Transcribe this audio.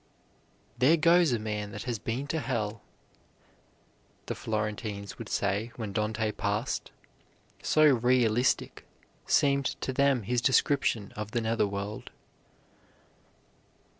"There goes a man that has been in hell," the Florentines would say when Dante passed, so realistic seemed to them his description of the nether world.